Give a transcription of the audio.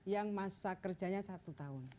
yang masa kerjanya satu tahun